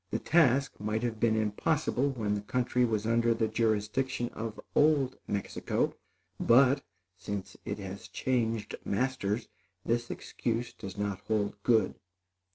The task might have been impossible when the country was under the jurisdiction of old Mexico; but, since it has changed masters, this excuse does not hold good.